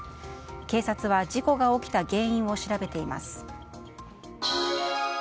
警察は事故が起きた原因を調べています。